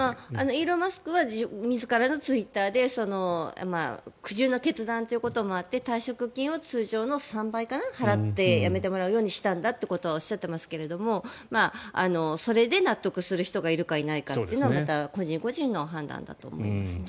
イーロン・マスクは自らのツイッターで苦渋の決断ということもあって退職金を通常の３倍払って辞めてもらうようにしたんだということはおっしゃっていますがそれで納得する人がいるかいないかというのはまた個人個人の判断だと思いますね。